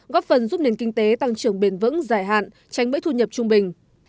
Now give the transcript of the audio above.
góp phần giúp nền kinh tế tăng trưởng bền vững giải hạn tránh bẫy thu nhập trung bình